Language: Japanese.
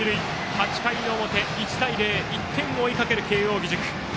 ８回の表１点を追いかける慶応義塾。